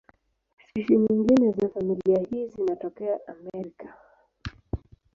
Spishi nyingine za familia hii zinatokea Amerika.